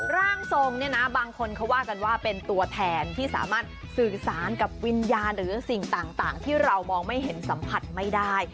ร่างทรงเนี่ยนะบางคนเขาว่ากันว่าเป็นตัวแทนที่สามารถสื่อสารกับวิญญาณหรือสิ่งต่างที่เรามองไม่เห็นสัมผัสไม่ได้